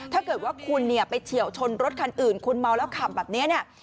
ถ้าเกิดว่าคุณเนี่ยไปเฉียวชนรถคันอื่นคุณเมาแล้วขับแบบนี้เนี่ย